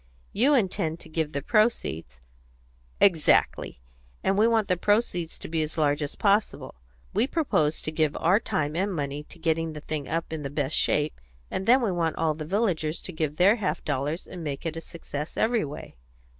You intend to give the proceeds " "Exactly. And we want the proceeds to be as large as possible. We propose to give our time and money to getting the thing up in the best shape, and then we want all the villagers to give their half dollars and make it a success every way."